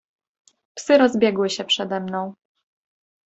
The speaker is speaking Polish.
"Psy rozbiegły się przede mną."